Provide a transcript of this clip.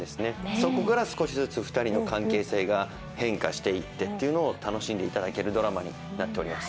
そこから少しずつ２人の関係性が変化していってというのを楽しんでいただけるドラマになっております。